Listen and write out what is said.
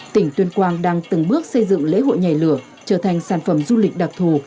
tỉnh tuyên quang đang từng bước xây dựng lễ hội nhảy lửa trở thành sản phẩm du lịch đặc thù